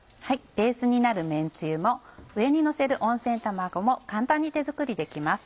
ベースになるめんつゆも上にのせる温泉卵も簡単に手作りできます。